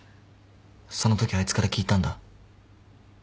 そのときあいつから聞いたんだ。